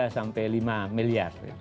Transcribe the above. tiga sampai lima miliar